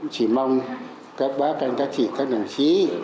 chỉ mong các bác các anh các chị các đồng chí